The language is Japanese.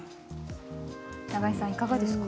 永江さん、いかがですか。